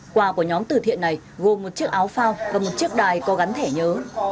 quà của nhóm từ thiện này gồm một chiếc áo phao và một chiếc đài có gắn thẻ nhớ